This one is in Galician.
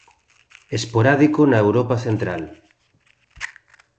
Esporádico na Europa Central.